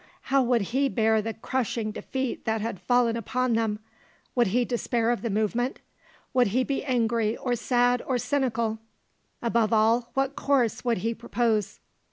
How would he bear the crushing defeat that had fallen upon them? Would he despair of the movement? Would he be angry or sad or cynical? Above all, what course would he propose?